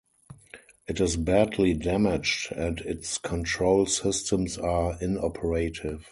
It is badly damaged and its control systems are inoperative.